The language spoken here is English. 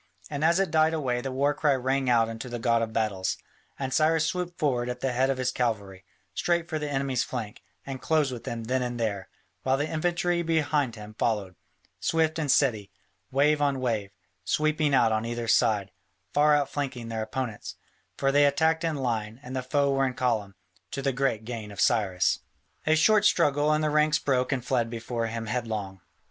And as it died away the war cry rang out unto the God of Battles, and Cyrus swooped forward at the head of his cavalry, straight for the enemy's flank, and closed with them then and there, while the infantry behind him followed, swift and steady, wave on wave, sweeping out on either side, far out flanking their opponents, for they attacked in line and the foe were in column, to the great gain of Cyrus. A short struggle, and the ranks broke and fled before him headlong.